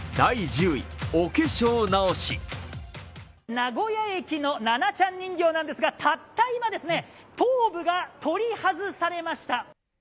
名古屋駅のナナちゃん人形なんですが、たった今、頭部が取り外されました。